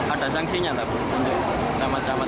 ada sanksinya tak bu camat camat